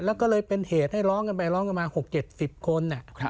แล้วก็เลยเป็นเหตุให้ร้องกันไปร้องกันมา๖๗๐คน